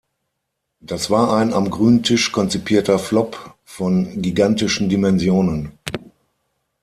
Das war ein am grünen Tisch konzipierter Flop von gigantischen Dimensionen.